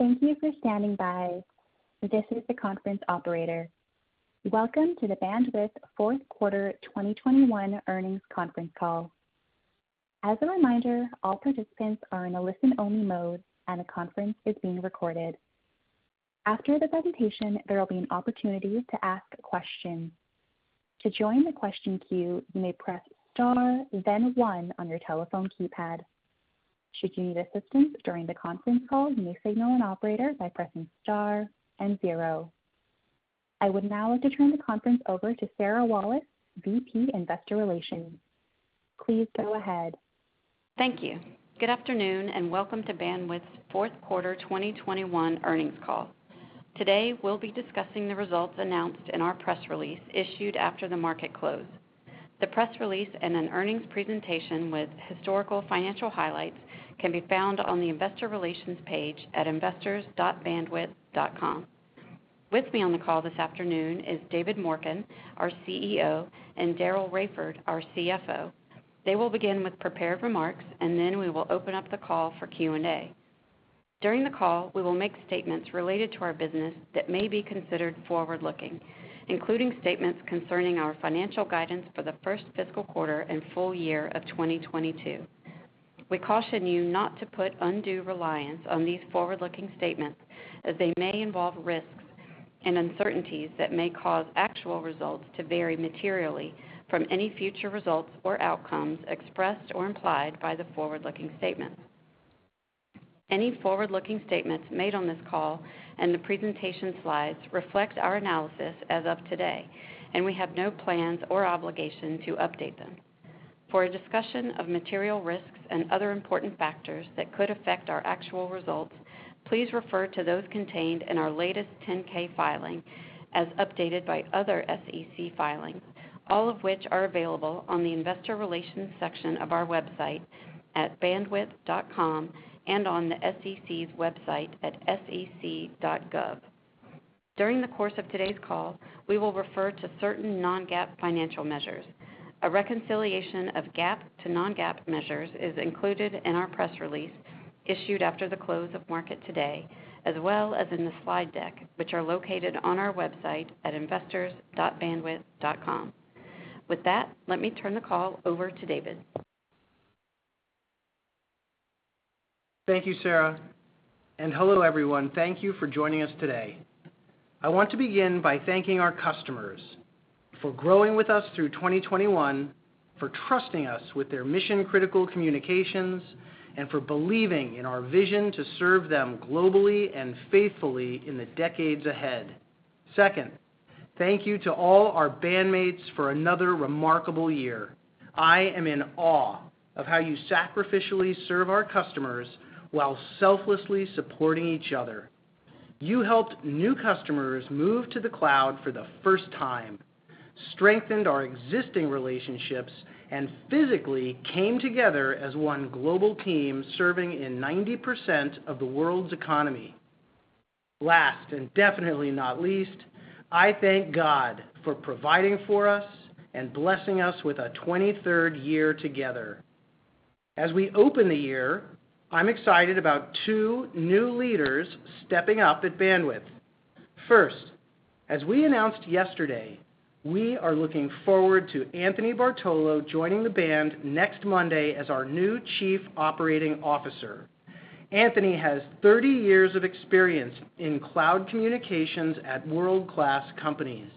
Welcome to the Bandwidth Fourth Quarter 2021 Earnings Conference Call. As a reminder, all participants are in a listen-only mode, and the conference is being recorded. After the presentation, there will be an opportunity to ask questions. To join the question queue, you may press star then one on your telephone keypad. Should you need assistance during the conference call, you may signal an operator by pressing star and zero. I would now like to turn the conference over to Sarah Wallace, VP Investor Relations. Please go ahead. Thank you. Good afternoon, and welcome to Bandwidth's fourth quarter 2021 Earnings Call. Today, we'll be discussing the results announced in our press release issued after the market closed. The press release and an earnings presentation with historical financial highlights can be found on the investor relations page at investors.bandwidth.com. With me on the call this afternoon is David Morken, our CEO, and Daryl Raiford, our CFO. They will begin with prepared remarks, and then we will open up the call for Q&A. During the call, we will make statements related to our business that may be considered forward-looking, including statements concerning our financial guidance for the first fiscal quarter and full year of 2022. We caution you not to put undue reliance on these forward-looking statements as they may involve risks and uncertainties that may cause actual results to vary materially from any future results or outcomes expressed or implied by the forward-looking statement. Any forward-looking statements made on this call and the presentation slides reflect our analysis as of today, and we have no plans or obligation to update them. For a discussion of material risks and other important factors that could affect our actual results, please refer to those contained in our latest 10-K filing as updated by other SEC filings, all of which are available on the investor relations section of our website at bandwidth.com and on the SEC's website at sec.gov. During the course of today's call, we will refer to certain non-GAAP financial measures. A reconciliation of GAAP to non-GAAP measures is included in our press release issued after the close of market today, as well as in the slide deck, which are located on our website at investors.bandwidth.com. With that, let me turn the call over to David. Thank you, Sarah, and hello, everyone. Thank you for joining us today. I want to begin by thanking our customers for growing with us through 2021, for trusting us with their mission-critical communications, and for believing in our vision to serve them globally and faithfully in the decades ahead. Second, thank you to all our bandmates for another remarkable year. I am in awe of how you sacrificially serve our customers while selflessly supporting each other. You helped new customers move to the cloud for the first time, strengthened our existing relationships, and physically came together as one global team serving in 90% of the world's economy. Last, and definitely not least, I thank God for providing for us and blessing us with a 23rd year together. As we open the year, I'm excited about two new leaders stepping up at Bandwidth. First, as we announced yesterday, we are looking forward to Anthony Bartolo joining Bandwidth next Monday as our new Chief Operating Officer. Anthony has 30 years of experience in cloud communications at world-class companies.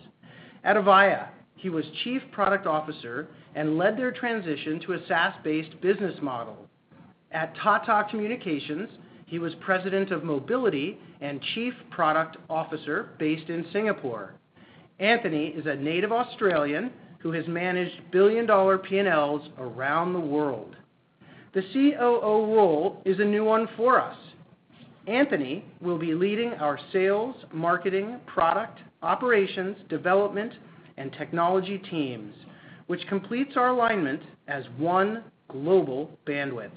At Avaya, he was Chief Product Officer and led their transition to a SaaS-based business model. At Tata Communications, he was President of Mobility and Chief Product Officer based in Singapore. Anthony is a native Australian who has managed billion-dollar P&Ls around the world. The COO role is a new one for us. Anthony will be leading our sales, marketing, product, operations, development, and technology teams, which completes our alignment as one global Bandwidth.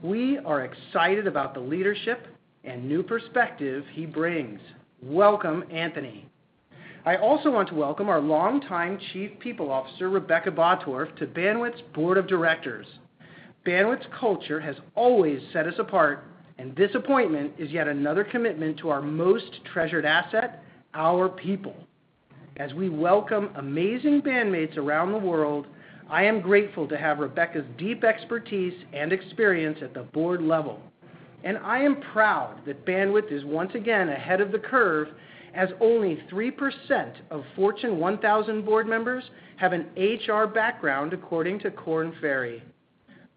We are excited about the leadership and new perspective he brings. Welcome, Anthony. I also want to welcome our longtime Chief People Officer, Rebecca Bottorff, to Bandwidth's Board of Directors. Bandwidth's culture has always set us apart, and this appointment is yet another commitment to our most treasured asset, our people. As we welcome amazing bandmates around the world, I am grateful to have Rebecca's deep expertise and experience at the board level. I am proud that Bandwidth is once again ahead of the curve, as only 3% of Fortune 1000 Board Members have an HR background, according to Korn Ferry.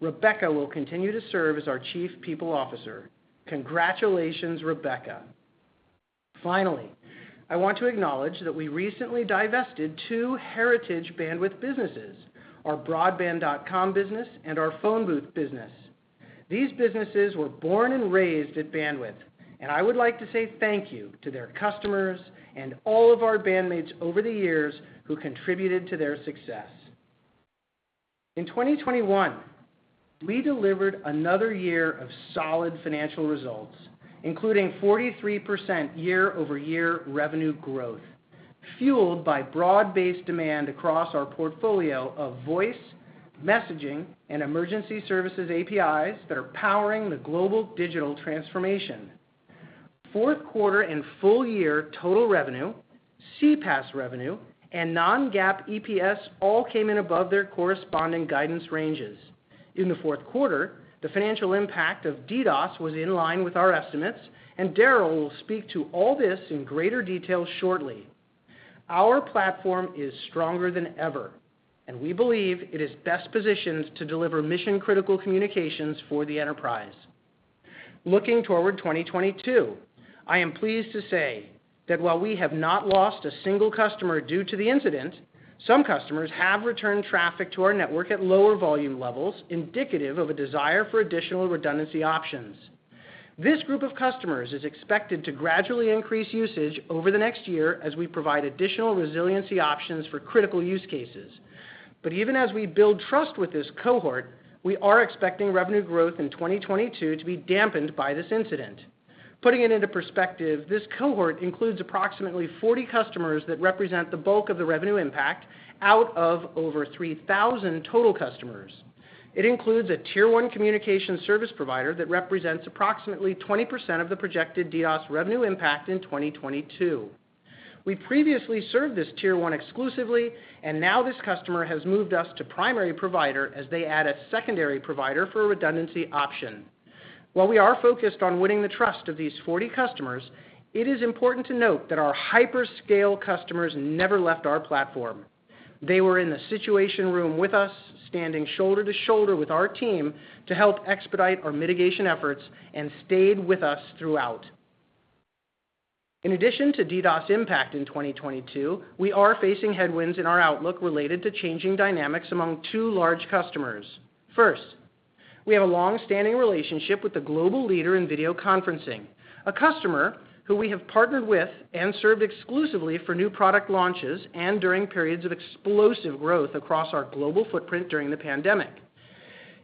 Rebecca will continue to serve as our Chief People Officer. Congratulations, Rebecca. Finally, I want to acknowledge that we recently divested two heritage Bandwidth businesses, our Broadband.com business and our Phonebooth business. These businesses were born and raised at Bandwidth, and I would like to say thank you to their customers and all of our bandmates over the years who contributed to their success. In 2021, we delivered another year of solid financial results, including 43% year-over-year revenue growth, fueled by broad-based demand across our portfolio of voice, messaging, and emergency services APIs that are powering the global digital transformation. Fourth quarter and full year total revenue, CPaaS revenue, and non-GAAP EPS all came in above their corresponding guidance ranges. In the fourth quarter, the financial impact of DDoS was in line with our estimates, and Daryl will speak to all this in greater detail shortly. Our platform is stronger than ever, and we believe it is best positioned to deliver mission-critical communications for the enterprise. Looking toward 2022, I am pleased to say that while we have not lost a single customer due to the incident, some customers have returned traffic to our network at lower volume levels, indicative of a desire for additional redundancy options. This group of customers is expected to gradually increase usage over the next year as we provide additional resiliency options for critical use cases. Even as we build trust with this cohort, we are expecting revenue growth in 2022 to be dampened by this incident. Putting it into perspective, this cohort includes approximately 40 customers that represent the bulk of the revenue impact out of over 3,000 total customers. It includes a Tier 1 communication service provider that represents approximately 20% of the projected DDoS revenue impact in 2022. We previously served this Tier 1 exclusively, and now this customer has moved us to primary provider as they add a secondary provider for a redundancy option. While we are focused on winning the trust of these 40 customers, it is important to note that our hyperscale customers never left our platform. They were in the situation room with us, standing shoulder to shoulder with our team to help expedite our mitigation efforts and stayed with us throughout. In addition to DDoS impact in 2022, we are facing headwinds in our outlook related to changing dynamics among two large customers. First, we have a long-standing relationship with the global leader in video conferencing, a customer who we have partnered with and served exclusively for new product launches and during periods of explosive growth across our global footprint during the pandemic.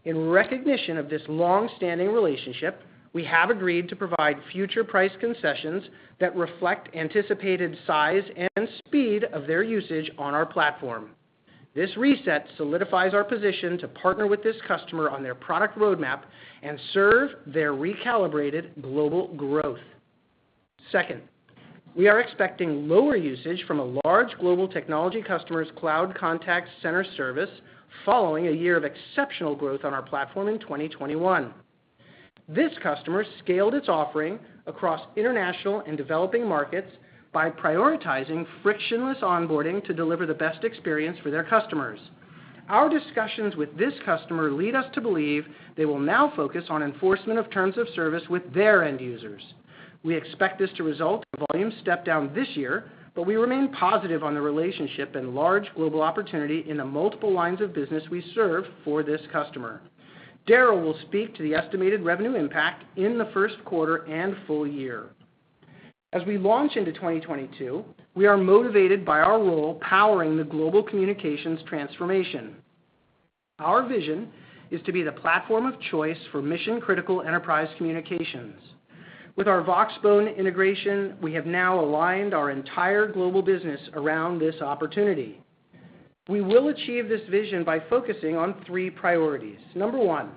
In recognition of this long-standing relationship, we have agreed to provide future price concessions that reflect anticipated size and speed of their usage on our platform. This reset solidifies our position to partner with this customer on their product roadmap and serve their recalibrated global growth. Second, we are expecting lower usage from a large global technology customer's cloud contact center service following a year of exceptional growth on our platform in 2021. This customer scaled its offering across international and developing markets by prioritizing frictionless onboarding to deliver the best experience for their customers. Our discussions with this customer lead us to believe they will now focus on enforcement of terms of service with their end users. We expect this to result in a volume step-down this year, but we remain positive on the relationship and large global opportunity in the multiple lines of business we serve for this customer. Daryl will speak to the estimated revenue impact in the first quarter and full year. As we launch into 2022, we are motivated by our role powering the global communications transformation. Our vision is to be the platform of choice for mission-critical enterprise communications. With our Voxbone integration, we have now aligned our entire global business around this opportunity. We will achieve this vision by focusing on three priorities. Number one,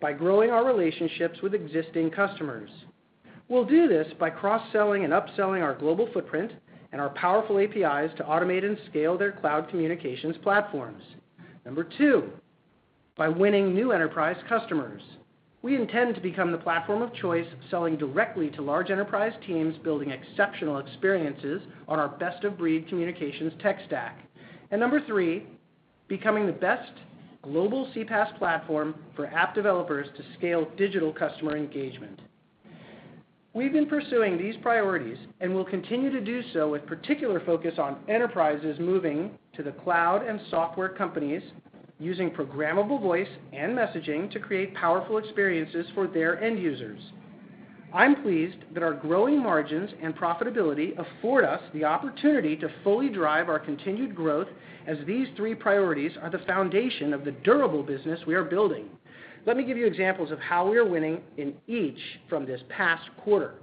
by growing our relationships with existing customers. We'll do this by cross-selling and upselling our global footprint and our powerful APIs to automate and scale their cloud communications platforms. Number two, by winning new enterprise customers. We intend to become the platform of choice selling directly to large enterprise teams building exceptional experiences on our best-of-breed communications tech stack. Number three, becoming the best global CPaaS platform for app developers to scale digital customer engagement. We've been pursuing these priorities and will continue to do so with particular focus on enterprises moving to the cloud and software companies using programmable voice and messaging to create powerful experiences for their end users. I'm pleased that our growing margins and profitability afford us the opportunity to fully drive our continued growth as these three priorities are the foundation of the durable business we are building. Let me give you examples of how we are winning in each from this past quarter.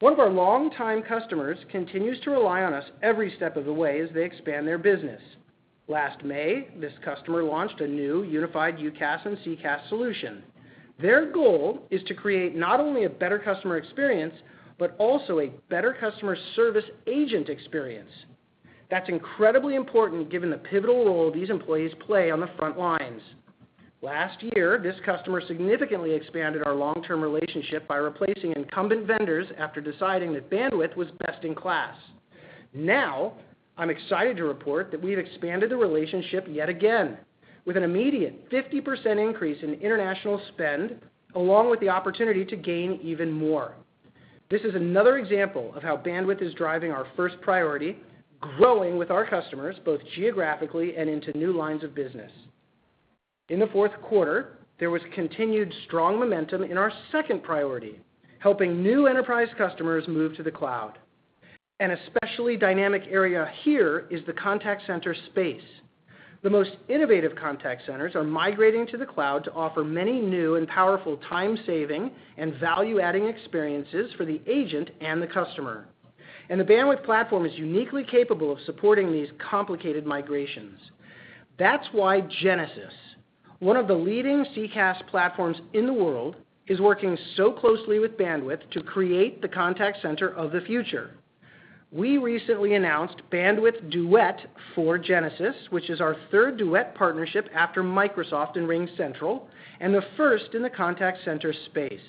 One of our longtime customers continues to rely on us every step of the way as they expand their business. Last May, this customer launched a new unified UCaaS and CCaaS solution. Their goal is to create not only a better customer experience, but also a better customer service agent experience. That's incredibly important given the pivotal role these employees play on the front lines. Last year, this customer significantly expanded our long-term relationship by replacing incumbent vendors after deciding that Bandwidth was best in class. Now, I'm excited to report that we've expanded the relationship yet again with an immediate 50% increase in international spend along with the opportunity to gain even more. This is another example of how Bandwidth is driving our first priority, growing with our customers, both geographically and into new lines of business. In the fourth quarter, there was continued strong momentum in our second priority, helping new enterprise customers move to the cloud. An especially dynamic area here is the contact center space. The most innovative contact centers are migrating to the cloud to offer many new and powerful time-saving and value-adding experiences for the agent and the customer. The Bandwidth platform is uniquely capable of supporting these complicated migrations. That's why Genesys, one of the leading CCaaS platforms in the world, is working so closely with Bandwidth to create the contact center of the future. We recently announced Bandwidth Duet for Genesys, which is our third Duet partnership after Microsoft and RingCentral, and the first in the contact center space.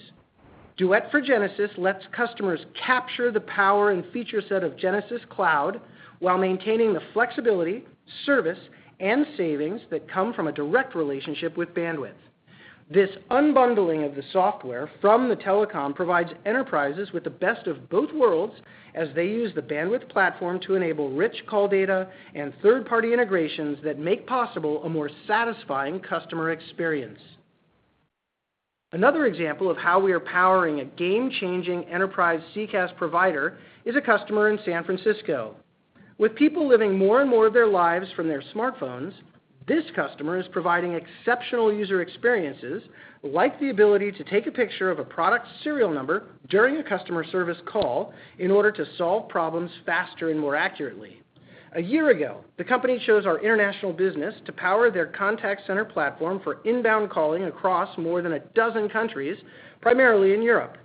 Duet for Genesys lets customers capture the power and feature set of Genesys Cloud while maintaining the flexibility, service, and savings that come from a direct relationship with Bandwidth. This unbundling of the software from the telecom provides enterprises with the best of both worlds as they use the Bandwidth platform to enable rich call data and third-party integrations that make possible a more satisfying customer experience. Another example of how we are powering a game-changing enterprise CCaaS provider is a customer in San Francisco. With people living more and more of their lives from their smartphones, this customer is providing exceptional user experiences like the ability to take a picture of a product serial number during a customer service call in order to solve problems faster and more accurately. A year ago, the company chose our international business to power their contact center platform for inbound calling across more than a dozen countries, primarily in Europe.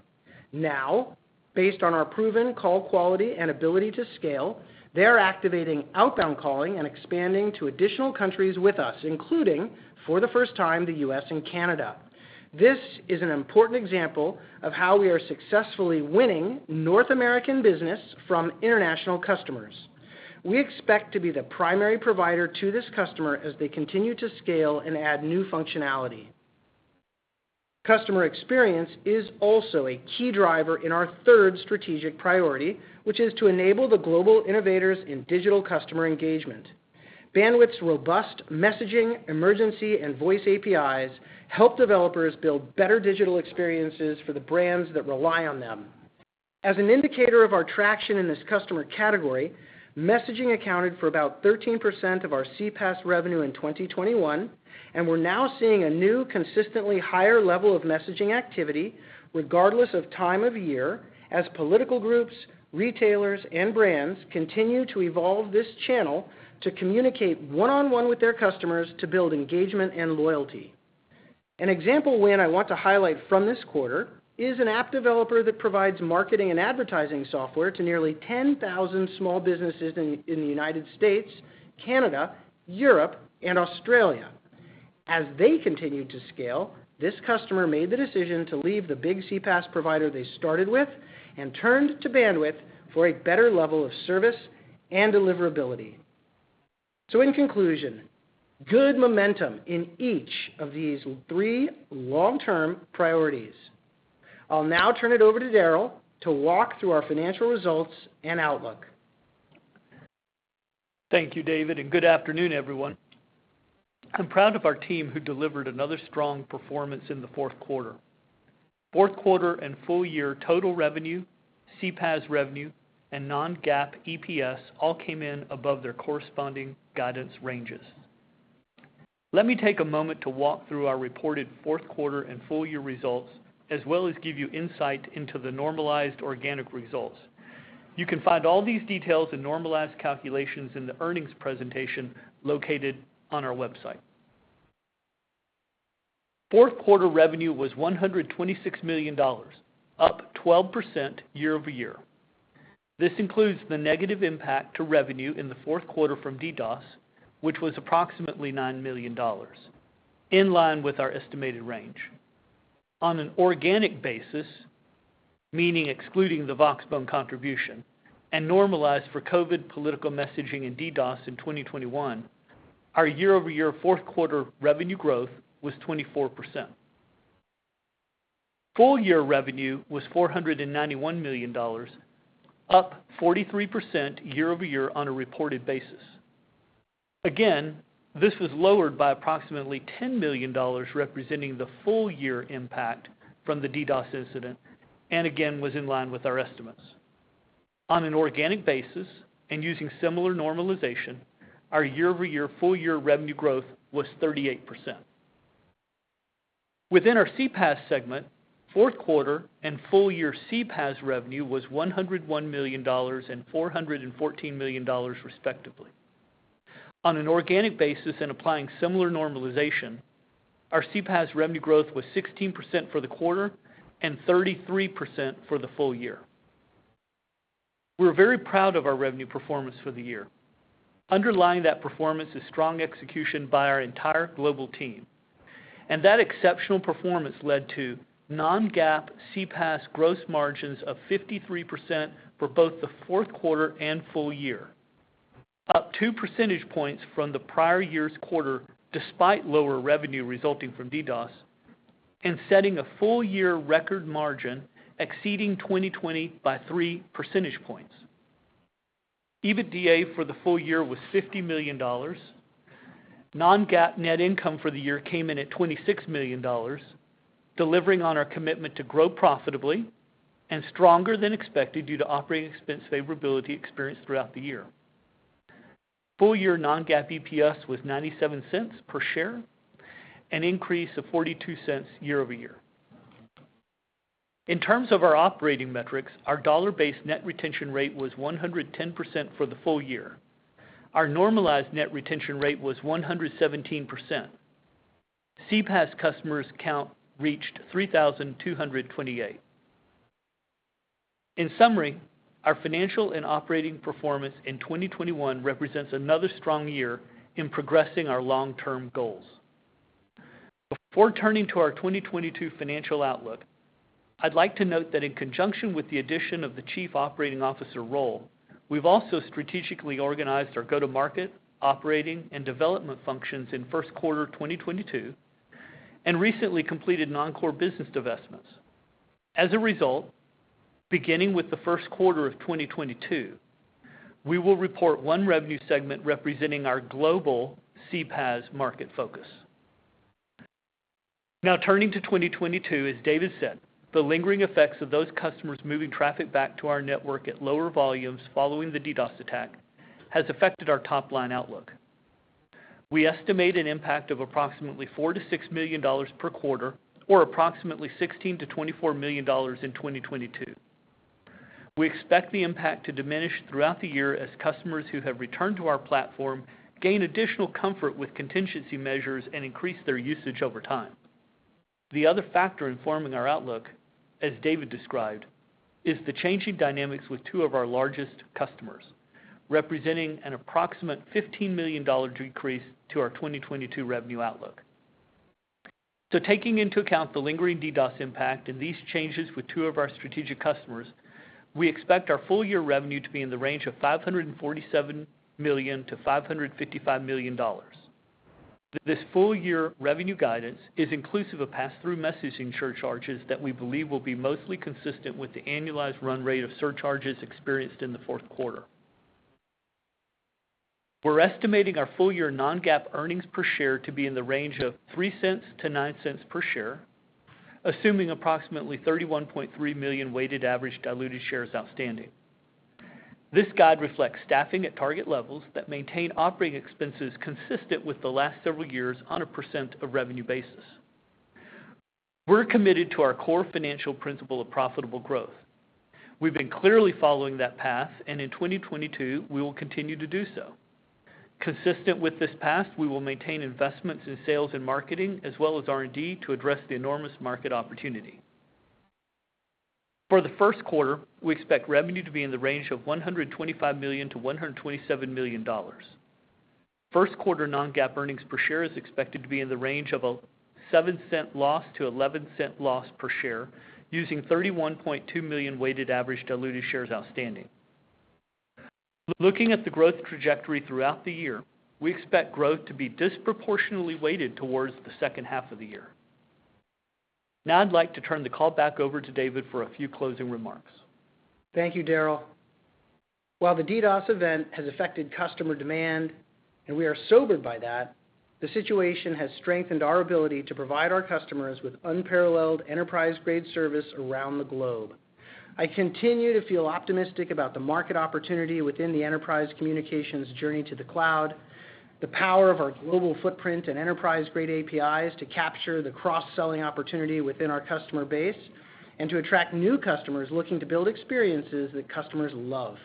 Now, based on our proven call quality and ability to scale, they're activating outbound calling and expanding to additional countries with us, including, for the first time, the U.S. and Canada. This is an important example of how we are successfully winning North American business from international customers. We expect to be the primary provider to this customer as they continue to scale and add new functionality. Customer experience is also a key driver in our third strategic priority, which is to enable the global innovators in digital customer engagement. Bandwidth's robust messaging, emergency, and voice APIs help developers build better digital experiences for the brands that rely on them. As an indicator of our traction in this customer category, messaging accounted for about 13% of our CPaaS revenue in 2021, and we're now seeing a new, consistently higher level of messaging activity, regardless of time of year, as political groups, retailers, and brands continue to evolve this channel to communicate one-on-one with their customers to build engagement and loyalty. An example win I want to highlight from this quarter is an app developer that provides marketing and advertising software to nearly 10,000 small businesses in the United States, Canada, Europe, and Australia. As they continued to scale, this customer made the decision to leave the big CPaaS provider they started with and turned to Bandwidth for a better level of service and deliverability. In conclusion, good momentum in each of these three long-term priorities. I'll now turn it over to Daryl to walk through our financial results and outlook. Thank you, David, and good afternoon, everyone. I'm proud of our team, who delivered another strong performance in the fourth quarter. Fourth quarter and full year total revenue, CPaaS revenue, and non-GAAP EPS all came in above their corresponding guidance ranges. Let me take a moment to walk through our reported fourth quarter and full year results, as well as give you insight into the normalized organic results. You can find all these details and normalized calculations in the earnings presentation located on our website. Fourth quarter revenue was $126 million, up 12% year-over-year. This includes the negative impact to revenue in the fourth quarter from DDoS, which was approximately $9 million, in line with our estimated range. On an organic basis, meaning excluding the Voxbone contribution, and normalized for COVID political messaging and DDoS in 2021, our year-over-year fourth quarter revenue growth was 24%. Full year revenue was $491 million, up 43% year over year on a reported basis. Again, this was lowered by approximately $10 million, representing the full year impact from the DDoS incident, and again, was in line with our estimates. On an organic basis, and using similar normalization, our year-over-year full year revenue growth was 38%. Within our CPaaS segment, fourth quarter and full year CPaaS revenue was $101 million and $414 million respectively. On an organic basis and applying similar normalization, our CPaaS revenue growth was 16% for the quarter and 33% for the full year. We're very proud of our revenue performance for the year. Underlying that performance is strong execution by our entire global team. That exceptional performance led to non-GAAP CPaaS gross margins of 53% for both the fourth quarter and full year. Up two percentage points from the prior year's quarter, despite lower revenue resulting from DDoS, and setting a full year record margin exceeding 2020 by three percentage points. EBITDA for the full year was $50 million. Non-GAAP net income for the year came in at $26 million. Delivering on our commitment to grow profitably and stronger than expected due to operating expense favorability experienced throughout the year. Full year non-GAAP EPS was $0.97 per share, an increase of $0.42 year-over-year. In terms of our operating metrics, our dollar-based net retention rate was 110% for the full year. Our normalized net retention rate was 117%. CPaaS customers count reached 3,228. In summary, our financial and operating performance in 2021 represents another strong year in progressing our long-term goals. Before turning to our 2022 financial outlook, I'd like to note that in conjunction with the addition of the Chief Operating Officer role, we've also strategically organized our go-to-market, operating, and development functions in first quarter 2022, and recently completed non-core business divestments. As a result, beginning with the first quarter of 2022, we will report one revenue segment representing our global CPaaS market focus. Now turning to 2022, as David said, the lingering effects of those customers moving traffic back to our network at lower volumes following the DDoS attack has affected our top-line outlook. We estimate an impact of approximately $4 million-$6 million per quarter or approximately $16 million-$24 million in 2022. We expect the impact to diminish throughout the year as customers who have returned to our platform gain additional comfort with contingency measures and increase their usage over time. The other factor informing our outlook, as David described, is the changing dynamics with two of our largest customers, representing an approximate $15 million decrease to our 2022 revenue outlook. Taking into account the lingering DDoS impact and these changes with two of our strategic customers, we expect our full year revenue to be in the range of $547 million-$555 million. This full year revenue guidance is inclusive of pass-through messaging surcharges that we believe will be mostly consistent with the annualized run rate of surcharges experienced in the fourth quarter. We're estimating our full year non-GAAP earnings per share to be in the range of $0.03-$0.09 per share, assuming approximately 31.3 million weighted average diluted shares outstanding. This guide reflects staffing at target levels that maintain operating expenses consistent with the last several years on a percent of revenue basis. We're committed to our core financial principle of profitable growth. We've been clearly following that path, and in 2022, we will continue to do so. Consistent with this path, we will maintain investments in sales and marketing as well as R&D to address the enormous market opportunity. For the first quarter, we expect revenue to be in the range of $125 million-$127 million. First quarter non-GAAP earnings per share is expected to be in the range of a $0.07 loss to a $0.11 loss per share, using 31.2 million weighted average diluted shares outstanding. Looking at the growth trajectory throughout the year, we expect growth to be disproportionately weighted towards the second half of the year. Now I'd like to turn the call back over to David for a few closing remarks. Thank you, Daryl. While the DDoS event has affected customer demand, and we are sobered by that, the situation has strengthened our ability to provide our customers with unparalleled enterprise-grade service around the globe. I continue to feel optimistic about the market opportunity within the enterprise communications journey to the cloud, the power of our global footprint and enterprise-grade APIs to capture the cross-selling opportunity within our customer base, and to attract new customers looking to build experiences that customers love.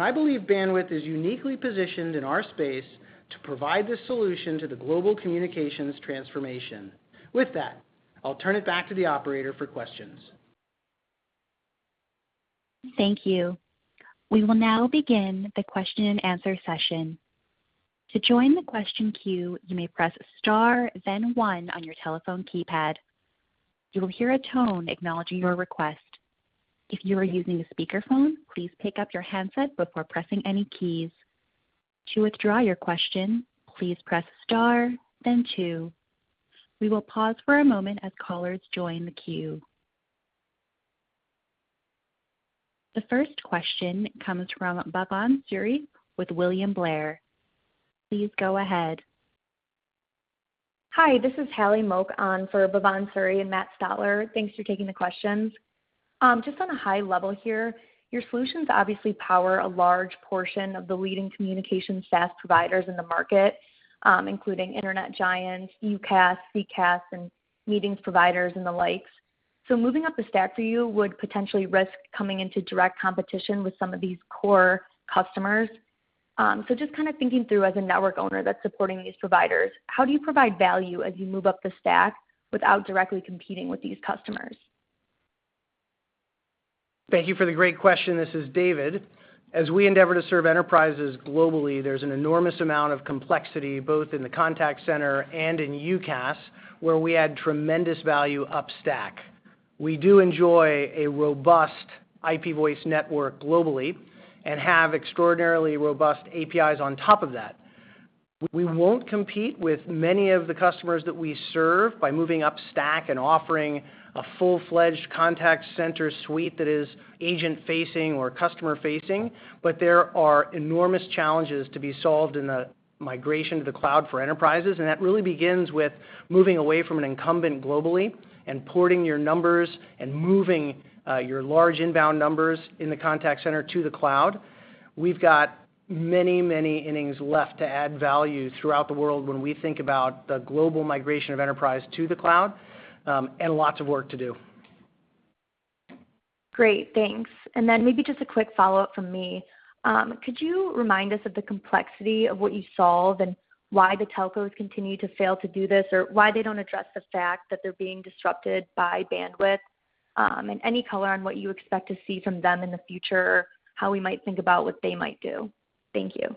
I believe Bandwidth is uniquely positioned in our space to provide this solution to the global communications transformation. With that, I'll turn it back to the operator for questions. Thank you. We will now begin the question and answer session. To join the question queue, you may press star then one on your telephone keypad. You will hear a tone acknowledging your request. If you are using a speakerphone, please pick up your handset before pressing any keys. To withdraw your question, please press star then two. We will pause for a moment as callers join the queue. The first question comes from Bhavan Suri with William Blair. Please go ahead. Hi, this is Hallie Moke on for Bhavan Suri and Matt Stotler. Thanks for taking the questions. Just on a high level here, your solutions obviously power a large portion of the leading communications SaaS providers in the market, including internet giants, UCaaS, CCaaS, and meetings providers and the likes. Moving up the stack for you would potentially risk coming into direct competition with some of these core customers. Just kinda thinking through as a network owner that's supporting these providers, how do you provide value as you move up the stack without directly competing with these customers? Thank you for the great question. This is David. As we endeavor to serve enterprises globally, there's an enormous amount of complexity, both in the contact center and in UCaaS, where we add tremendous value up stack. We do enjoy a robust IP voice network globally and have extraordinarily robust APIs on top of that. We won't compete with many of the customers that we serve by moving up stack and offering a full-fledged contact center suite that is agent-facing or customer-facing. There are enormous challenges to be solved in the migration to the cloud for enterprises, and that really begins with moving away from an incumbent globally and porting your numbers and moving your large inbound numbers in the contact center to the cloud. We've got many, many innings left to add value throughout the world when we think about the global migration of enterprise to the cloud, and lots of work to do. Great, thanks. Maybe just a quick follow-up from me. Could you remind us of the complexity of what you solve and why the telcos continue to fail to do this, or why they don't address the fact that they're being disrupted by Bandwidth? Any color on what you expect to see from them in the future, how we might think about what they might do. Thank you.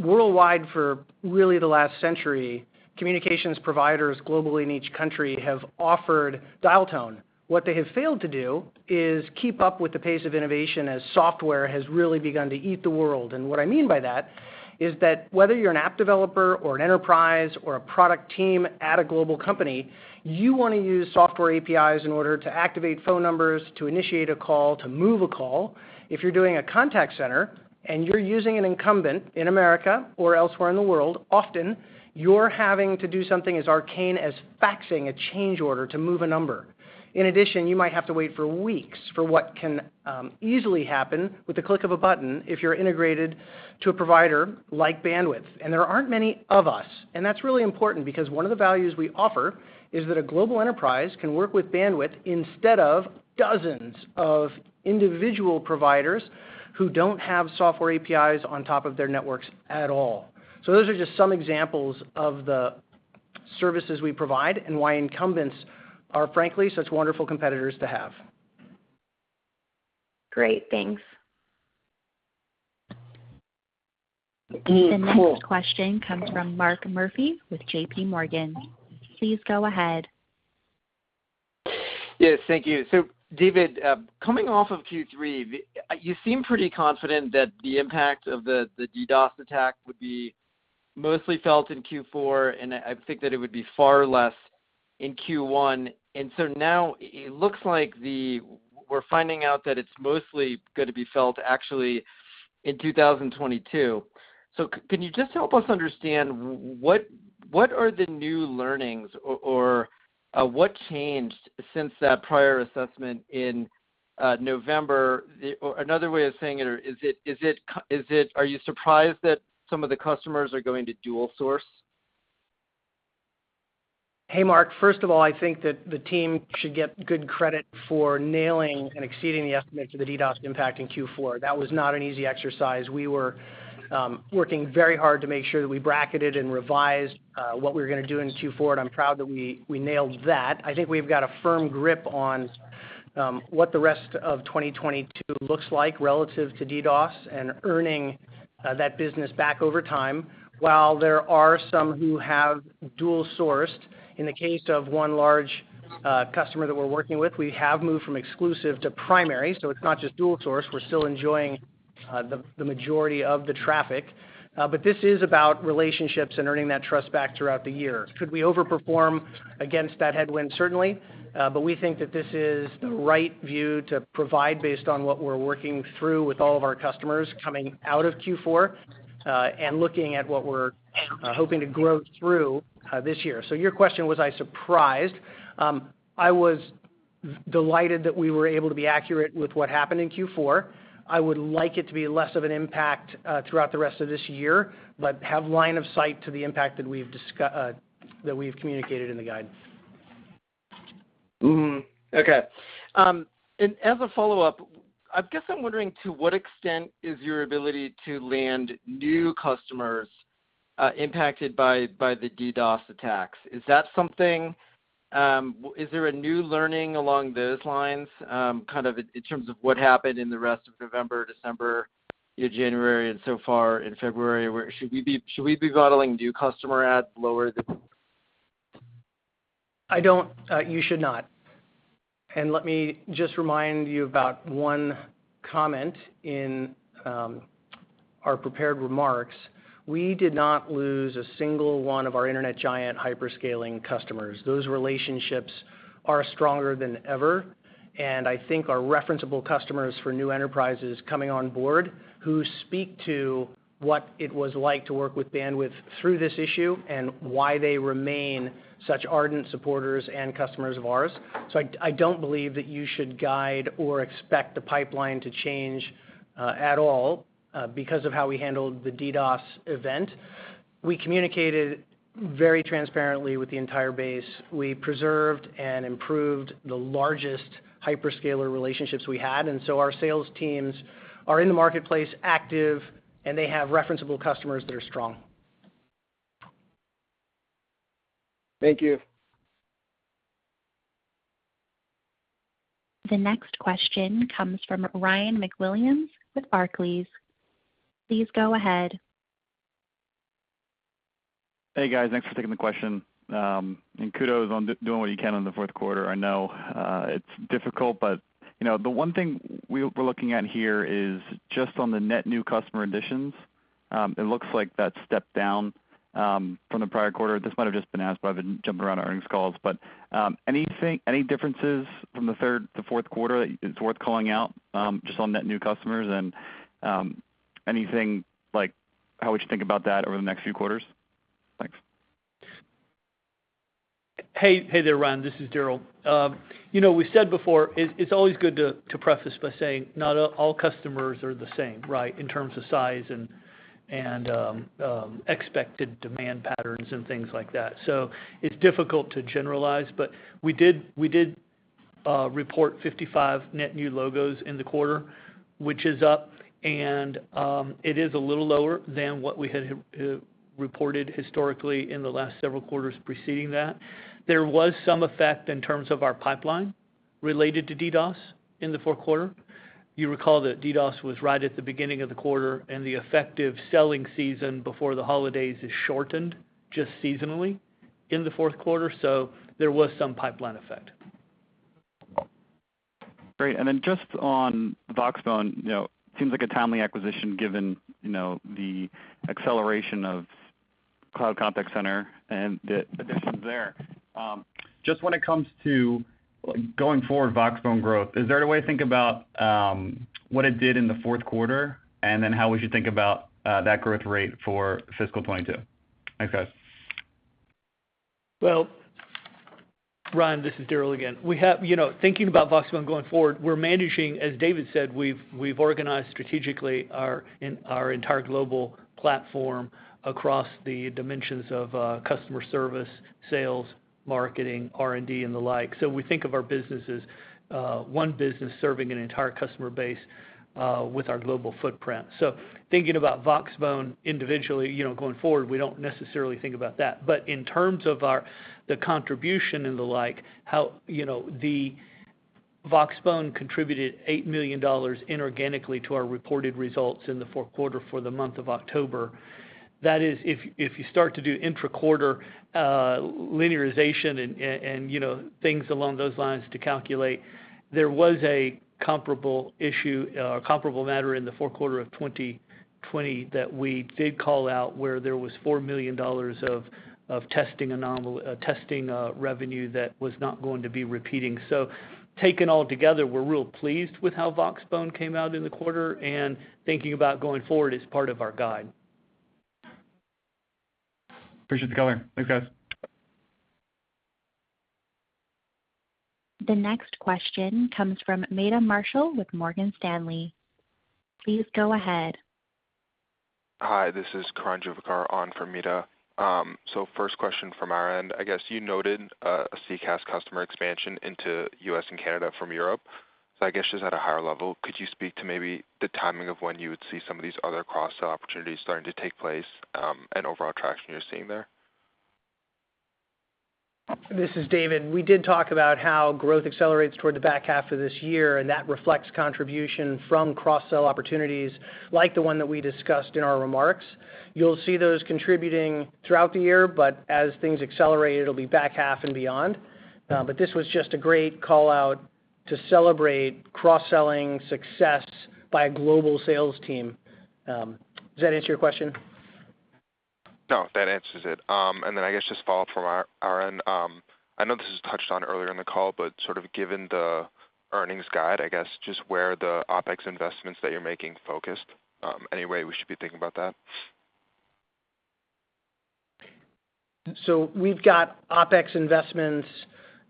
Worldwide, for really the last century, communications providers globally in each country have offered dial tone. What they have failed to do is keep up with the pace of innovation as software has really begun to eat the world. What I mean by that is that whether you're an app developer or an enterprise or a product team at a global company, you wanna use software APIs in order to activate phone numbers, to initiate a call, to move a call. If you're doing a contact center and you're using an incumbent in America or elsewhere in the world, often you're having to do something as arcane as faxing a change order to move a number. In addition, you might have to wait for weeks for what can easily happen with the click of a button if you're integrated to a provider like Bandwidth. There aren't many of us, and that's really important because one of the values we offer is that a global enterprise can work with Bandwidth instead of dozens of individual providers who don't have software APIs on top of their networks at all. Those are just some examples of the services we provide and why incumbents are, frankly, such wonderful competitors to have. Great. Thanks. The next question comes from Mark Murphy with JPMorgan. Please go ahead. Yes, thank you. David, coming off of Q3, you seem pretty confident that the impact of the DDoS attack would be mostly felt in Q4, and I think that it would be far less in Q1. Now it looks like we're finding out that it's mostly gonna be felt, actually, in 2022. Can you just help us understand what are the new learnings or what changed since that prior assessment in November? Or another way of saying it, is it? Are you surprised that some of the customers are going to dual source? Hey, Mark. First of all, I think that the team should get good credit for nailing and exceeding the estimate for the DDoS impact in Q4. That was not an easy exercise. We were working very hard to make sure that we bracketed and revised what we were gonna do in Q4, and I'm proud that we nailed that. I think we've got a firm grip on what the rest of 2022 looks like relative to DDoS and earning that business back over time. While there are some who have dual sourced, in the case of one large customer that we're working with, we have moved from exclusive to primary, so it's not just dual source. We're still enjoying the majority of the traffic. This is about relationships and earning that trust back throughout the year. Could we overperform against that headwind? Certainly. We think that this is the right view to provide based on what we're working through with all of our customers coming out of Q4, and looking at what we're hoping to grow through this year. Your question, was I surprised? I was delighted that we were able to be accurate with what happened in Q4. I would like it to be less of an impact throughout the rest of this year, but have line of sight to the impact that we've communicated in the guidance. Okay. As a follow-up, I guess I'm wondering to what extent your ability to land new customers is impacted by the DDoS attacks? Is that something? Is there a new learning along those lines, kind of in terms of what happened in the rest of November, December, you know, January, and so far in February? Should we be modeling new customer adds lower than? I don't you should not. Let me just remind you about one comment in our prepared remarks. We did not lose a single one of our internet giant hyperscale customers. Those relationships are stronger than ever, and I think our referenceable customers for new enterprises coming on board who speak to what it was like to work with Bandwidth through this issue and why they remain such ardent supporters and customers of ours. I don't believe that you should guide or expect the pipeline to change at all because of how we handled the DDoS event. We communicated very transparently with the entire base. We preserved and improved the largest hyperscaler relationships we had, and our sales teams are in the marketplace, active, and they have referenceable customers that are strong. Thank you. The next question comes from Ryan MacWilliams with Barclays. Please go ahead. Hey, guys. Thanks for taking the question. Kudos on doing what you can in the fourth quarter. I know it's difficult, but the one thing we're looking at here is just on the net new customer additions. It looks like that stepped down from the prior quarter. This might have just been asked, but I've been jumping around earnings calls. Any differences from the third to fourth quarter that it's worth calling out, just on net new customers? Anything like how we should think about that over the next few quarters? Thanks. Hey there, Ryan. This is Daryl. You know, we said before, it's always good to preface by saying not all customers are the same, right? In terms of size and expected demand patterns and things like that. It's difficult to generalize, but we did report 55 net new logos in the quarter, which is up and it is a little lower than what we had reported historically in the last several quarters preceding that. There was some effect in terms of our pipeline related to DDoS in the fourth quarter. You recall that DDoS was right at the beginning of the quarter, and the effective selling season before the holidays is shortened just seasonally in the fourth quarter. There was some pipeline effect. Great. Just on Voxbone, you know, seems like a timely acquisition given, you know, the acceleration of cloud contact center and the additions there. Just when it comes to going forward Voxbone growth, is there a way to think about what it did in the fourth quarter and then how we should think about that growth rate for fiscal 2022? Thanks, guys. Well, Ryan, this is Daryl again. We have, you know, thinking about Voxbone going forward, we're managing, as David said, we've organized strategically our entire global platform across the dimensions of customer service, sales, marketing, R&D and the like. We think of our business as one business serving an entire customer base with our global footprint. Thinking about Voxbone individually, you know, going forward, we don't necessarily think about that. In terms of the contribution and the like, how, you know, Voxbone contributed $8 million inorganically to our reported results in the fourth quarter for the month of October. That is, if you start to do intra-quarter linearization and you know, things along those lines to calculate, there was a comparable matter in the fourth quarter of 2020 that we did call out, where there was $4 million of testing revenue that was not going to be repeating. Taken all together, we're real pleased with how Voxbone came out in the quarter and thinking about going forward as part of our guide. Appreciate the color. Thanks, guys. The next question comes from Meta Marshall with Morgan Stanley. Please go ahead. Hi, this is Karan Juvekar on for Meta. First question from our end, I guess you noted a CCaaS customer expansion into U.S. and Canada from Europe. Just at a higher level, could you speak to maybe the timing of when you would see some of these other cross-sell opportunities starting to take place, and overall traction you're seeing there? This is David. We did talk about how growth accelerates toward the back half of this year, and that reflects contribution from cross-sell opportunities like the one that we discussed in our remarks. You'll see those contributing throughout the year, but as things accelerate, it'll be back half and beyond. This was just a great call-out to celebrate cross-selling success by a global sales team. Does that answer your question? No, that answers it. I guess just follow up from our end. I know this was touched on earlier in the call, but sort of given the earnings guide, I guess just where the OpEx investments that you're making focused, any way we should be thinking about that? We've got OpEx investments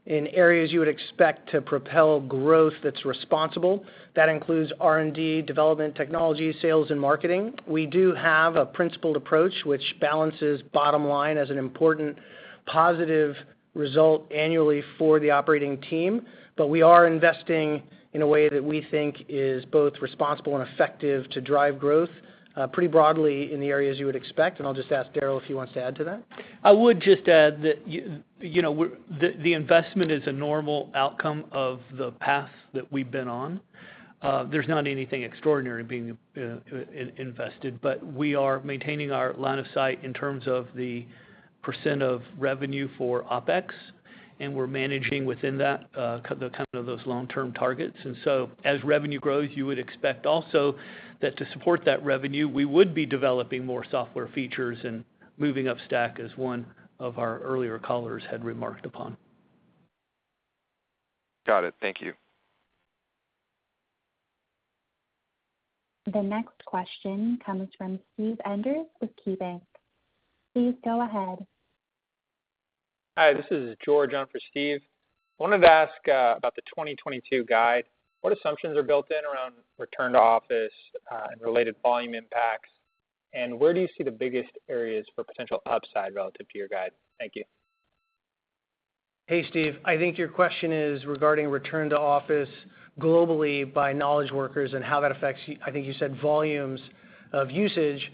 in areas you would expect to propel growth that's responsible. That includes R&D, development, technology, sales and marketing. We do have a principled approach, which balances bottom line as an important positive result annually for the operating team. We are investing in a way that we think is both responsible and effective to drive growth, pretty broadly in the areas you would expect. I'll just ask Darryl if he wants to add to that. I would just add that you know, the investment is a normal outcome of the path that we've been on. There's not anything extraordinary being invested, but we are maintaining our line of sight in terms of the percent of revenue for OpEx, and we're managing within that, the kind of those long-term targets. As revenue grows, you would expect also that to support that revenue, we would be developing more software features and moving up stack, as one of our earlier callers had remarked upon. Got it. Thank you. The next question comes from Steve Enders with KeyBanc. Please go ahead. Hi, this is George on for Steve. Wanted to ask about the 2022 guide. What assumptions are built in around return to office and related volume impacts, and where do you see the biggest areas for potential upside relative to your guide? Thank you. Hey, George. I think your question is regarding return to office globally by knowledge workers and how that affects, I think you said, volumes of usage.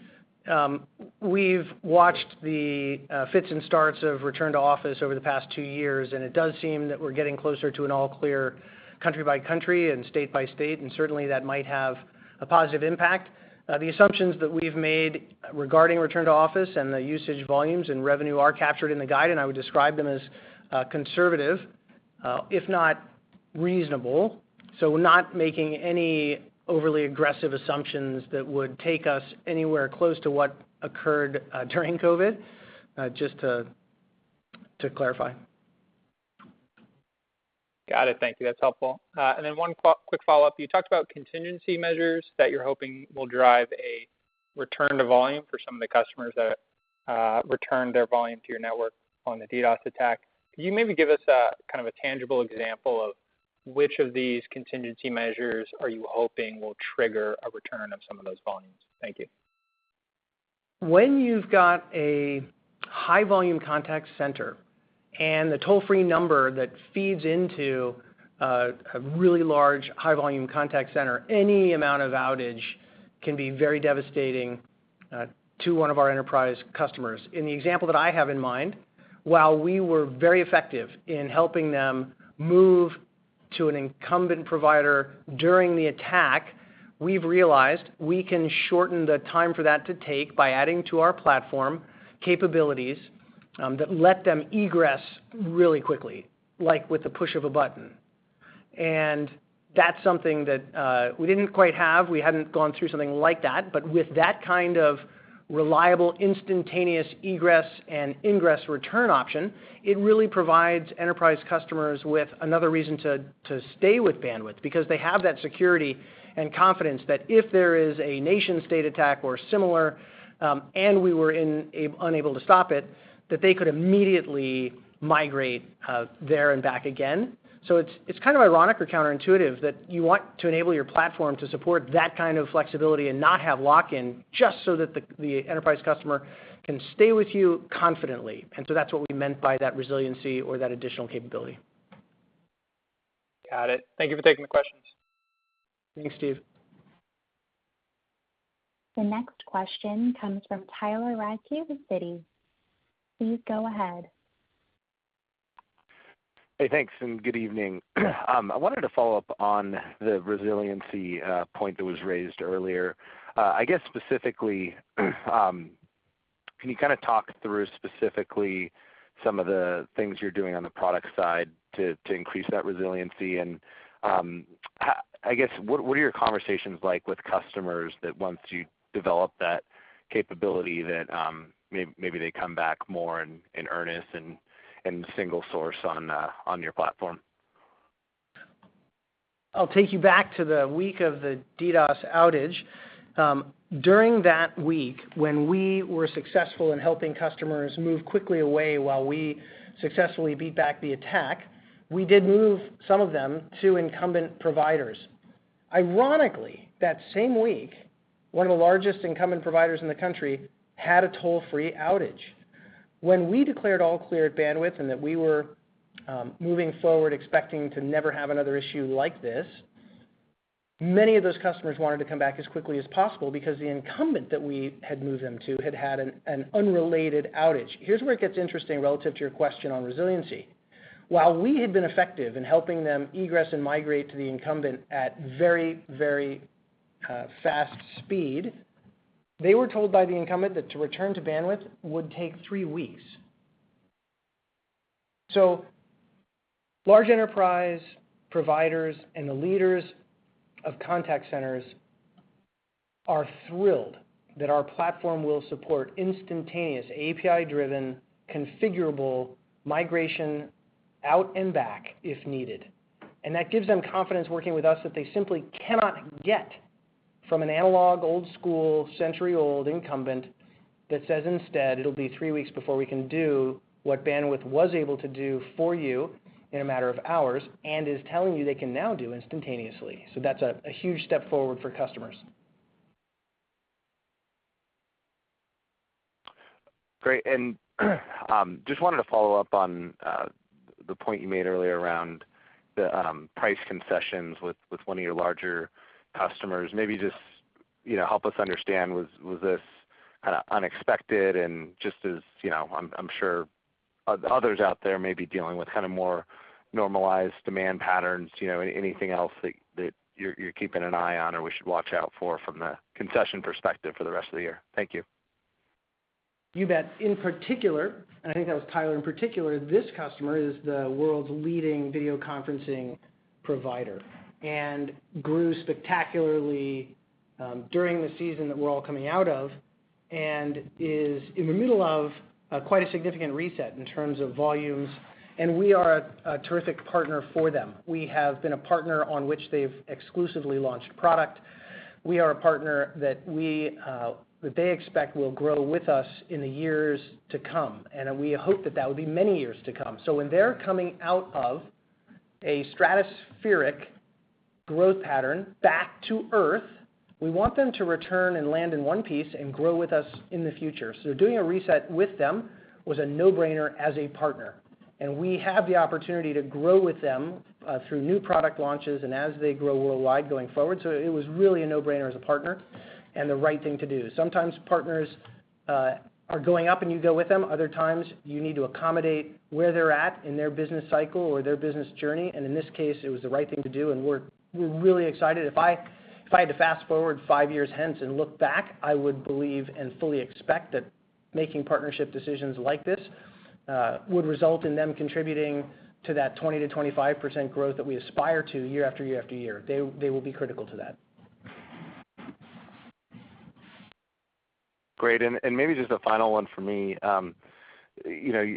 We've watched the fits and starts of return to office over the past two years, and it does seem that we're getting closer to an all clear country by country and state by state, and certainly that might have a positive impact. The assumptions that we've made regarding return to office and the usage volumes and revenue are captured in the guide, and I would describe them as conservative, if not reasonable. We're not making any overly aggressive assumptions that would take us anywhere close to what occurred during COVID, just to clarify. Got it. Thank you. That's helpful. One quick follow-up. You talked about contingency measures that you're hoping will drive a return to volume for some of the customers that returned their volume to your network on the DDoS attack. Can you maybe give us a kind of a tangible example of which of these contingency measures are you hoping will trigger a return of some of those volumes? Thank you. When you've got a high-volume contact center and the toll-free number that feeds into a really large high-volume contact center, any amount of outage can be very devastating to one of our enterprise customers. In the example that I have in mind, while we were very effective in helping them move to an incumbent provider during the attack, we've realized we can shorten the time for that to take by adding to our platform capabilities that let them egress really quickly, like with the push of a button. That's something that we didn't quite have. We hadn't gone through something like that, but with that kind of reliable, instantaneous egress and ingress return option, it really provides enterprise customers with another reason to stay with Bandwidth because they have that security and confidence that if there is a nation-state attack or similar, and we were unable to stop it, that they could immediately migrate there and back again. It's kind of ironic or counterintuitive that you want to enable your platform to support that kind of flexibility and not have lock-in just so that the enterprise customer can stay with you confidently. That's what we meant by that resiliency or that additional capability. Got it. Thank you for taking the questions. Thanks, Steve. The next question comes from Tyler Radke with Citi. Please go ahead. Hey, thanks, good evening. I wanted to follow up on the resiliency point that was raised earlier. I guess specifically, can you kind of talk through specifically some of the things you're doing on the product side to increase that resiliency? I guess, what are your conversations like with customers that once you develop that capability that, maybe they come back more in earnest and single source on your platform? I'll take you back to the week of the DDoS outage. During that week when we were successful in helping customers move quickly away while we successfully beat back the attack, we did move some of them to incumbent providers. Ironically, that same week, one of the largest incumbent providers in the country had a toll-free outage. When we declared all clear at Bandwidth and that we were moving forward expecting to never have another issue like this, many of those customers wanted to come back as quickly as possible because the incumbent that we had moved them to had an unrelated outage. Here's where it gets interesting relative to your question on resiliency. While we had been effective in helping them egress and migrate to the incumbent at very fast speed, they were told by the incumbent that to return to Bandwidth would take three weeks. Large enterprise providers and the leaders of contact centers are thrilled that our platform will support instantaneous API-driven configurable migration out and back if needed. That gives them confidence working with us that they simply cannot get from an analog, old-school, century-old incumbent that says instead it'll be three weeks before we can do what Bandwidth was able to do for you in a matter of hours and is telling you they can now do instantaneously. That's a huge step forward for customers. Great. Just wanted to follow up on the point you made earlier around the price concessions with one of your larger customers. Maybe just, you know, help us understand, was this unexpected? Just as, you know, I'm sure others out there may be dealing with kind of more normalized demand patterns, you know, anything else that you're keeping an eye on or we should watch out for from the concession perspective for the rest of the year? Thank you. You bet. In particular, and I think that was Tyler in particular, this customer is the world's leading video conferencing provider and grew spectacularly during the season that we're all coming out of and is in the middle of quite a significant reset in terms of volumes, and we are a terrific partner for them. We have been a partner on which they've exclusively launched product. We are a partner that they expect will grow with us in the years to come. We hope that that will be many years to come. When they're coming out of a stratospheric growth pattern back to earth, we want them to return and land in one piece and grow with us in the future. Doing a reset with them was a no-brainer as a partner, and we have the opportunity to grow with them through new product launches and as they grow worldwide going forward. It was really a no-brainer as a partner and the right thing to do. Sometimes partners are going up and you go with them. Other times you need to accommodate where they're at in their business cycle or their business journey. In this case it was the right thing to do, and we're really excited. If I had to fast-forward five years hence and look back, I would believe and fully expect that making partnership decisions like this would result in them contributing to that 20%-25% growth that we aspire to year after year after year. They will be critical to that. Great. Maybe just a final one for me. You know,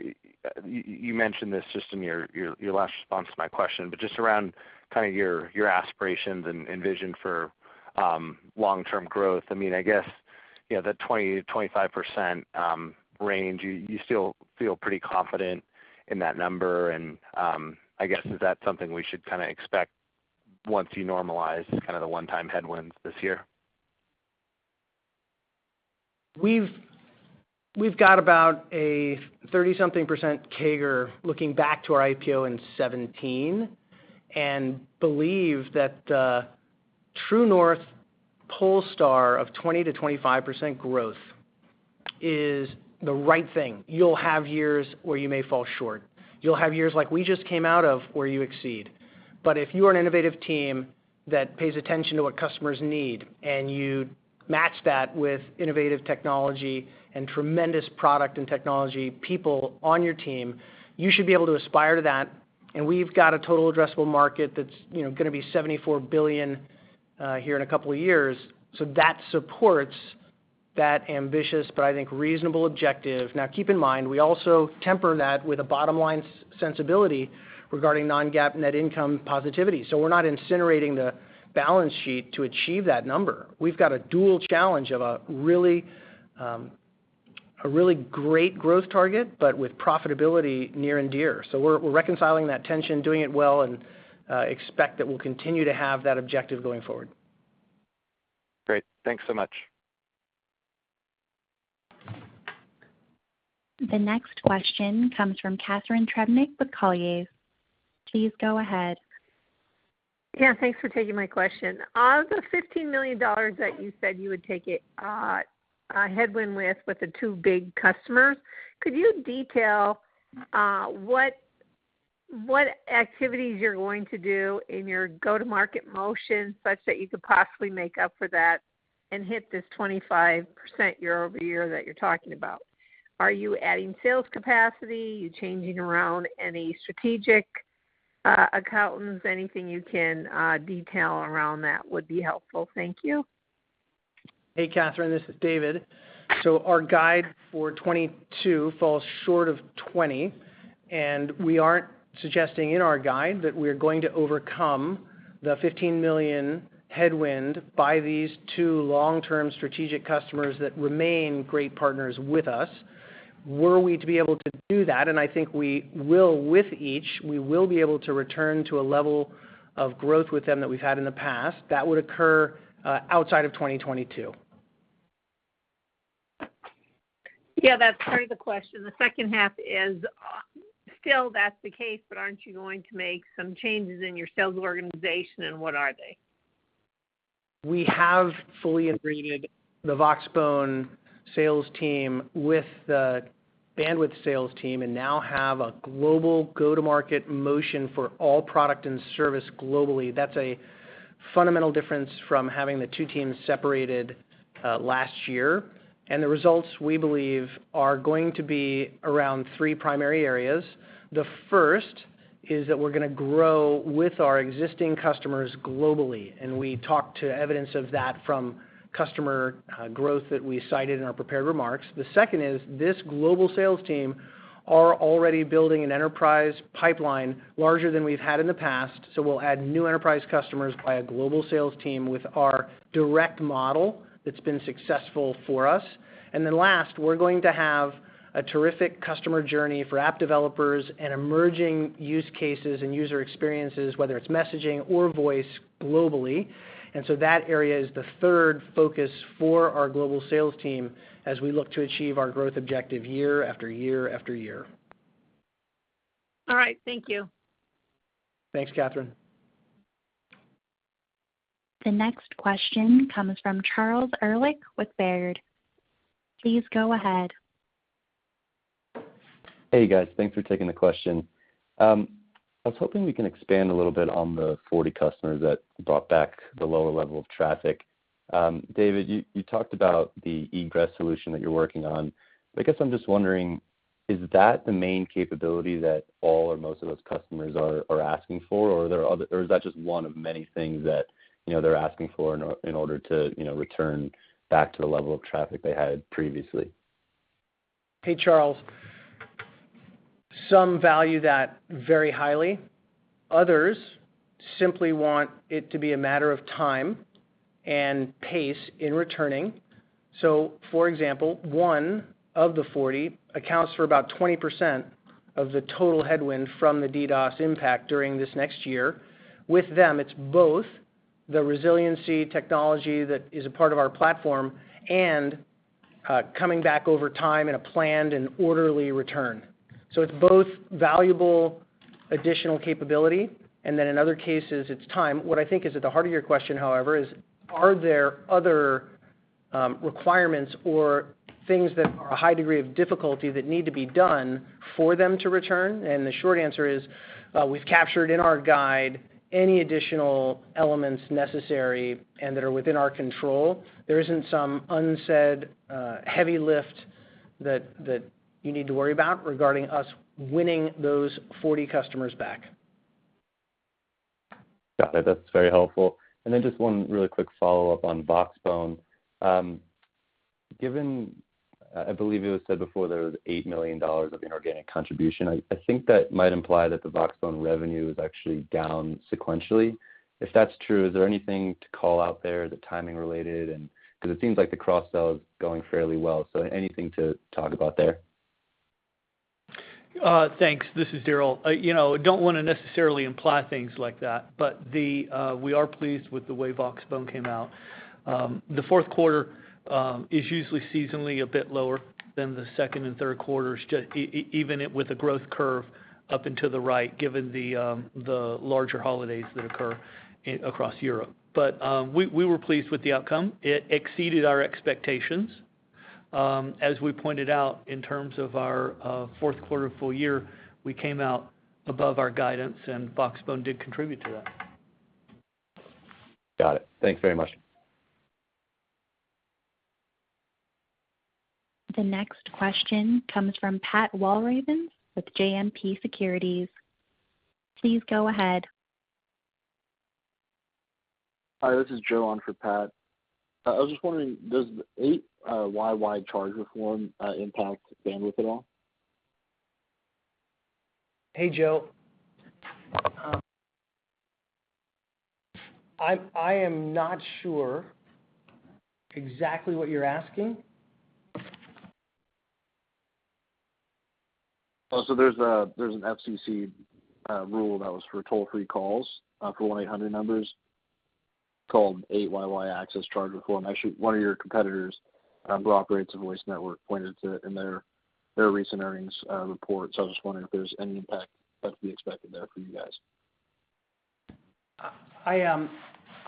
you mentioned this just in your last response to my question, but just around kind of your aspirations and vision for long-term growth. I mean, I guess, you know, the 20%-25% range, you still feel pretty confident in that number, and I guess, is that something we should kind of expect once you normalize kind of the one-time headwinds this year? We've got about a 30-something% CAGR looking back to our IPO in 2017, and believe that the true north polestar of 20%-25% growth is the right thing. You'll have years where you may fall short. You'll have years like we just came out of where you exceed. If you're an innovative team that pays attention to what customers need, and you match that with innovative technology and tremendous product and technology people on your team, you should be able to aspire to that. We've got a total addressable market that's, you know, gonna be $74 billion here in a couple of years. That supports that ambitious, but I think reasonable objective. Now, keep in mind, we also temper that with a bottom line sensibility regarding non-GAAP net income positivity. We're not incinerating the balance sheet to achieve that number. We've got a dual challenge of a really great growth target, but with profitability near and dear. We're reconciling that tension, doing it well, and expect that we'll continue to have that objective going forward. Great. Thanks so much. The next question comes from Catharine Trebnick with Colliers. Please go ahead. Yeah, thanks for taking my question. Of the $15 million that you said you would take as a headwind with the two big customers, could you detail what activities you're going to do in your go-to-market motion such that you could possibly make up for that and hit this 25% year-over-year that you're talking about? Are you adding sales capacity? Are you changing around any strategic accounts? Anything you can detail around that would be helpful. Thank you. Hey, Catharine, this is David. Our guide for 2022 falls short of 20%, and we aren't suggesting in our guide that we're going to overcome the $15 million headwind by these two long-term strategic customers that remain great partners with us. Were we to be able to do that, and I think we will with each, we will be able to return to a level of growth with them that we've had in the past, that would occur outside of 2022. Yeah, that's part of the question. The second half is, still that's the case, but aren't you going to make some changes in your sales organization, and what are they? We have fully integrated the Voxbone sales team with the Bandwidth sales team and now have a global go-to-market motion for all product and service globally. That's a fundamental difference from having the two teams separated last year. The results, we believe, are going to be around three primary areas. The first is that we're gonna grow with our existing customers globally, and we talked to evidence of that from customer growth that we cited in our prepared remarks. The second is this global sales team are already building an enterprise pipeline larger than we've had in the past. We'll add new enterprise customers by a global sales team with our direct model that's been successful for us. Then last, we're going to have a terrific customer journey for app developers and emerging use cases and user experiences, whether it's messaging or voice globally. That area is the third focus for our global sales team as we look to achieve our growth objective year after year after year. All right. Thank you. Thanks, Catharine. The next question comes from Charlie Erlikh with Baird. Please go ahead. Hey, guys. Thanks for taking the question. I was hoping we can expand a little bit on the 40 customers that brought back the lower level of traffic. David, you talked about the egress solution that you're working on. I guess I'm just wondering, is that the main capability that all or most of those customers are asking for, or is that just one of many things that, you know, they're asking for in order to, you know, return back to the level of traffic they had previously? Hey, Charlie. Some value that very highly. Others simply want it to be a matter of time and pace in returning. For example, one of the 40 accounts for about 20% of the total headwind from the DDoS impact during this next year. With them, it's both the resiliency technology that is a part of our platform and coming back over time in a planned and orderly return. It's both valuable additional capability, and then in other cases, it's time. What I think is at the heart of your question, however, is, are there other requirements or things that are a high degree of difficulty that need to be done for them to return, and the short answer is, we've captured in our guidance any additional elements necessary and that are within our control. There isn't some unsaid, heavy lift that you need to worry about regarding us winning those 40 customers back. Got it. That's very helpful. Just one really quick follow-up on Voxbone. Given I believe it was said before there was $8 million of inorganic contribution. I think that might imply that the Voxbone revenue is actually down sequentially. If that's true, is there anything to call out there, the timing related and 'cause it seems like the cross-sell is going fairly well, so anything to talk about there? Thanks. This is Daryl. You know, don't wanna necessarily imply things like that, but we are pleased with the way Voxbone came out. The fourth quarter is usually seasonally a bit lower than the second and third quarters even with a growth curve up and to the right, given the larger holidays that occur across Europe. We were pleased with the outcome. It exceeded our expectations. As we pointed out in terms of our fourth quarter and full year, we came out above our guidance, and Voxbone did contribute to that. Got it. Thanks very much. The next question comes from Pat Walravens with JMP Securities. Please go ahead. Hi, this is Joe on for Pat. I was just wondering, does the 8YY Charge Reform impact Bandwidth at all? Hey, Joe. I am not sure exactly what you're asking. Oh, there's an FCC rule that was for toll-free calls for 1-800 numbers called 8YY Access Charge Reform. Actually, one of your competitors who operates a voice network pointed to it in their recent earnings report. I was just wondering if there's any impact that could be expected there for you guys. I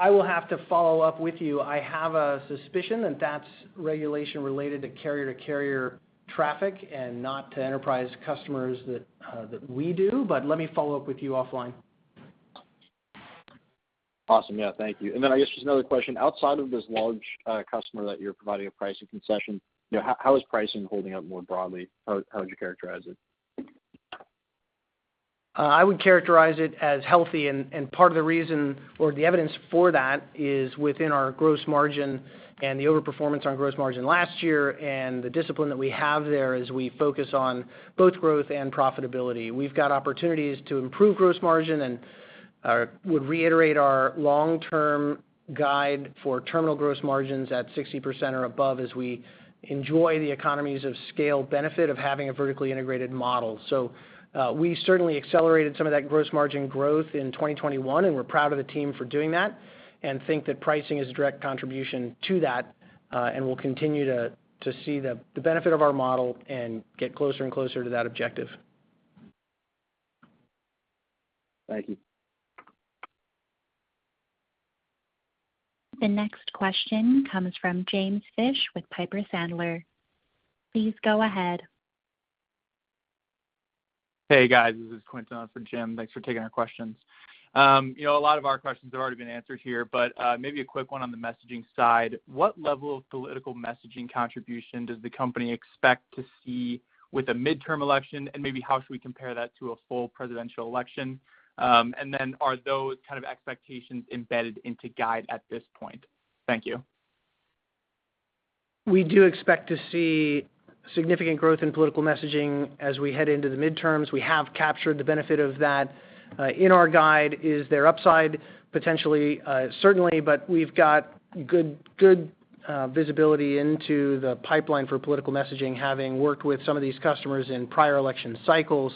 will have to follow up with you. I have a suspicion that that's regulation related to carrier-to-carrier traffic and not to enterprise customers that we do, but let me follow up with you offline. Awesome. Yeah. Thank you. I guess just another question. Outside of this large customer that you're providing a pricing concession, you know, how is pricing holding up more broadly? How would you characterize it? I would characterize it as healthy and part of the reason or the evidence for that is within our gross margin and the overperformance on gross margin last year and the discipline that we have there as we focus on both growth and profitability. We've got opportunities to improve gross margin and would reiterate our long-term guide for terminal gross margins at 60% or above as we enjoy the economies of scale benefit of having a vertically integrated model. We certainly accelerated some of that gross margin growth in 2021, and we're proud of the team for doing that and think that pricing is a direct contribution to that, and we'll continue to see the benefit of our model and get closer and closer to that objective. Thank you. The next question comes from James Fish with Piper Sandler. Please go ahead. Hey, guys. This is Quinton on for Jim. Thanks for taking our questions. You know, a lot of our questions have already been answered here, but maybe a quick one on the messaging side. What level of political messaging contribution does the company expect to see with a midterm election, and maybe how should we compare that to a full presidential election? And then are those kind of expectations embedded into guide at this point? Thank you. We do expect to see significant growth in political messaging as we head into the midterms. We have captured the benefit of that in our guide. Is there upside potentially? Certainly, but we've got good visibility into the pipeline for political messaging, having worked with some of these customers in prior election cycles.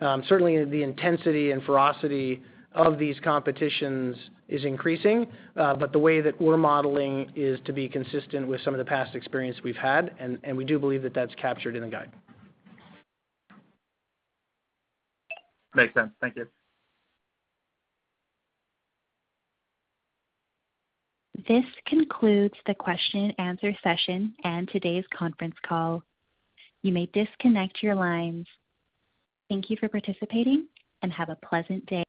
Certainly the intensity and ferocity of these competitions is increasing, but the way that we're modeling is to be consistent with some of the past experience we've had, and we do believe that that's captured in the guide. Makes sense. Thank you. This concludes the question and answer session and today's conference call. You may disconnect your lines. Thank you for participating and have a pleasant day.